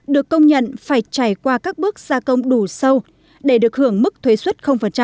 được công nhận phải trải qua các bước gia công đủ sâu để được hưởng mức thuế xuất